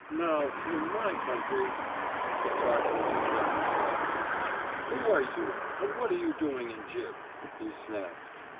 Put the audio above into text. "Now, in my country " The sergeant turned on him sharply. "Who are you and what are you doing in Gib?" he snapped.